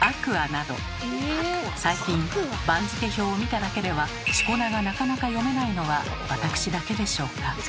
など最近番付表を見ただけでは四股名がなかなか読めないのはわたくしだけでしょうか？